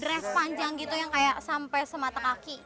dress panjang gitu yang kayak sampai semata kaki